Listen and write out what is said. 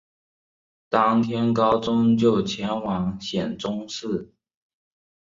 当天高宗就前往显忠寺。